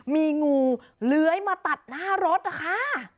มีงูเลื้อยมาตัดหน้ารถนะคะ